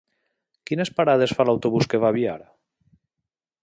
Quines parades fa l'autobús que va a Biar?